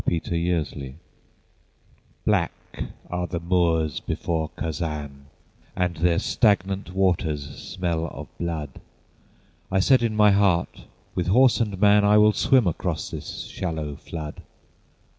THE SIEGE OF KAZAN Black are the moors before Kazan, And their stagnant waters smell of blood: I said in my heart, with horse and man, I will swim across this shallow flood.